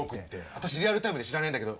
私リアルタイムで知らないんだけど。